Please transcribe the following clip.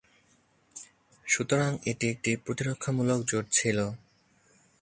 সুতরাং, এটি একটি প্রতিরক্ষামূলক জোট ছিল।